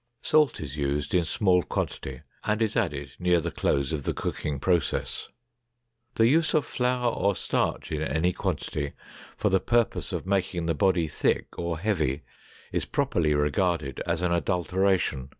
Salt is used in small quantity and is added near the close of the cooking process. The use of flour or starch in any quantity for the purpose of making the body thick or heavy is properly regarded as an adulteration.